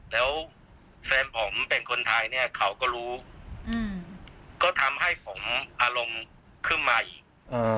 แล้วแฟนผมเป็นคนไทยเนี่ยเขาก็รู้ก็ทำให้ผมอารมณ์ขึ้นมาอีก